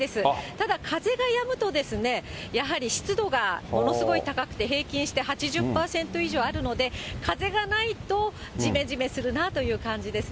ただ風がやむと、やはり湿度がものすごい高くて、平均して８０％以上あるので、風がないとじめじめするなという感じですね。